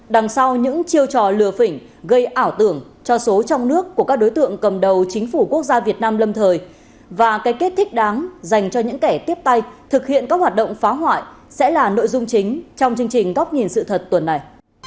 đằng sau những chiêu trò lừa phỉnh gây ảo tưởng cho số trong nước của các đối tượng cầm đầu chính phủ quốc gia việt nam lâm thời và cái kết thích đáng dành cho những kẻ tiếp tay thực hiện các hoạt động phá hoại sẽ là nội dung chính trong chương trình góc nhìn sự thật tuần này